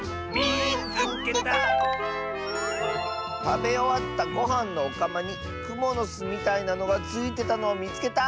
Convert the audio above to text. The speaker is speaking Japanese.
「たべおわったごはんのおかまにくものすみたいなのがついてたのをみつけた！」。